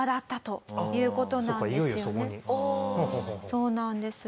そうなんです。